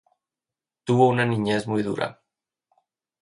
Tuvo una niñez muy dura.